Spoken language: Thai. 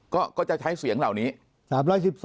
ก็จะใช้เสียงเหล่านี้